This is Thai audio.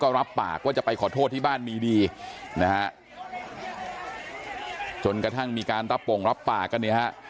รับปากว่าจะไปขอโทษที่บ้านมีดีนะฮะจนกระทั่งมีการรับปงรับปากกันเนี่ยฮะ